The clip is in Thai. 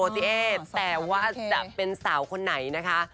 แต่ว่าจะเป็นสาวคนไหนนะคะ